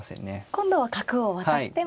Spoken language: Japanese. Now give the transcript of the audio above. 今度は角を渡しても大丈夫と。